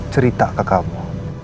cerita ke kamu